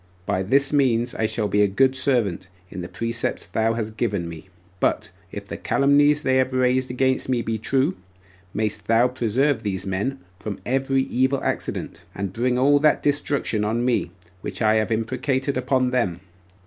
By this means I shall be a good servant, in the precepts thou hast given by me. But if the calumnies they have raised against me be true, mayst thou preserve these men from every evil accident, and bring all that destruction on me which I have imprecated upon them.